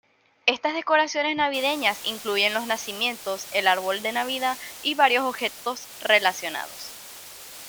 Estas decoraciones navideñas incluyen los Nacimientos, el árbol de Navidad y varios objetos relacionados.